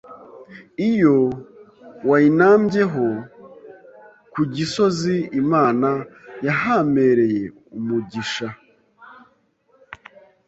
iyo wayinambyeho. Ku Gisozi Imana yahampereye umugisha ,